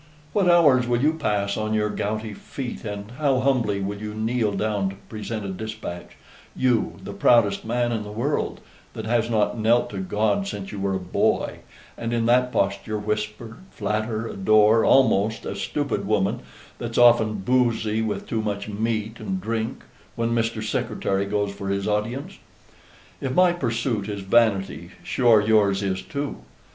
"What hours will you pass on your gouty feet and how humbly will you kneel down to present a despatch you, the proudest man in the world, that has not knelt to God since you were a boy, and in that posture whisper, flatter, adore almost, a stupid woman, that's often boozy with too much meat and drink, when Mr. Secretary goes for his audience! If my pursuit is vanity, sure yours is too."